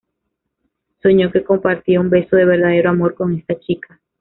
Soñó que compartía un beso de verdadero amor con esta chica.